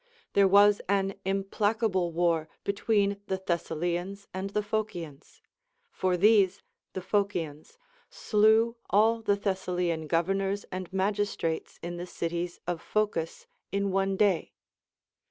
There was an im placable war between the Thessalians and the Phocians. For these (the Phocians) slew all the Thessalian governors and maaistrates in tlie cities of Phocis in one dav.